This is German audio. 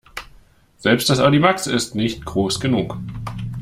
Selbst das Audimax ist nicht groß genug.